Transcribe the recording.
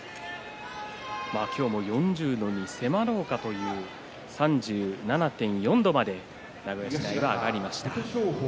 今日も４０度に迫ろうかという３７．４度まで名古屋市内は上がりました。